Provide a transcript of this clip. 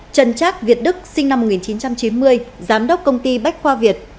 trần trác việt đức sinh năm một nghìn chín trăm chín mươi giám đốc công ty bách khoa việt